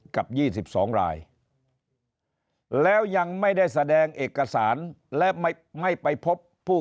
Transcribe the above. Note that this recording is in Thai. กับ๒๒รายแล้วยังไม่ได้แสดงเอกสารและไม่ไปพบผู้